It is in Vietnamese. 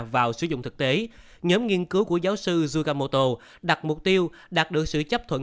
vào sử dụng thực tế nhóm nghiên cứu của giáo sư zukamoto đặt mục tiêu đạt được sự chấp thuận